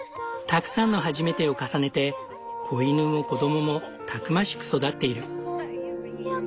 たくさんの初めてを重ねて子犬も子供もたくましく育っている。